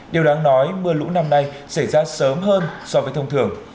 điều đáng nói mưa lũ năm nay xảy ra sớm hơn so với thông thường